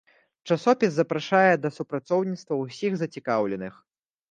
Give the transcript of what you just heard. Часопіс запрашае да супрацоўніцтва ўсіх зацікаўленых.